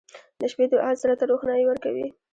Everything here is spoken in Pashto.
• د شپې دعا زړه ته روښنایي ورکوي.